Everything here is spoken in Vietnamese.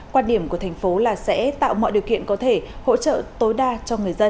quan điểm của thành phố là sẽ tạo mọi điều kiện có thể hỗ trợ tối đa cho người dân